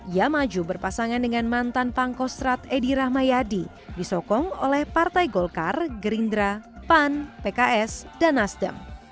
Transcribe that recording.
ia maju berpasangan dengan mantan pangkostrat edi rahmayadi disokong oleh partai golkar gerindra pan pks dan nasdem